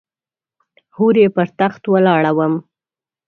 هورې پر تخت ولاړه وم .